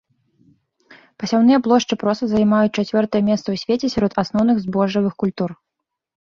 Пасяўныя плошчы проса займаюць чацвёртае месца ў свеце сярод асноўных збожжавых культур.